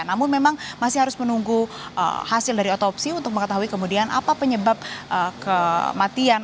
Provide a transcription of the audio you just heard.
namun memang masih harus menunggu hasil dari otopsi untuk mengetahui kemudian apa penyebab kematian